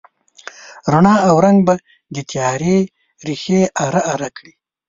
رڼا او رنګ به د تیارې ریښې اره، اره کړي